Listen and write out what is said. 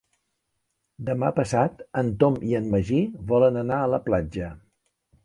Demà passat en Tom i en Magí volen anar a la platja.